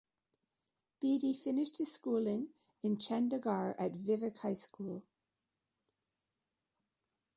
Bedi finished his schooling in Chandigarh at Vivek High School.